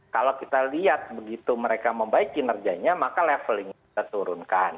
kalau kita lihat begitu mereka membaik kinerjanya maka leveling kita turunkan